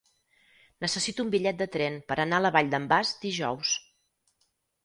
Necessito un bitllet de tren per anar a la Vall d'en Bas dijous.